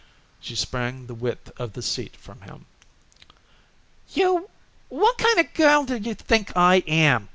She sprang the width of the seat from him. "You What kind of a girl do you think I am?